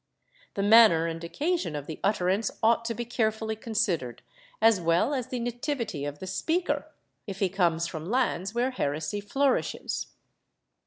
The manner and occasion of the utterance ought to be carefully considered, as well as the nativity of the speaker, if he comes from lands where heresy flourishes.